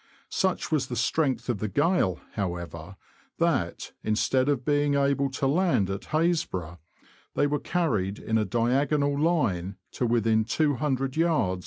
Such was the strength of the gale, however, that, instead of being able to land at Hasbro', they were carried, in a diagonal line, to within 20oyds.